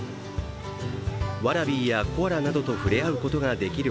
ワラビーやコアラなどと触れ合うことができる